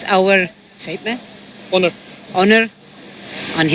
สำนักภารกิจของพ่อ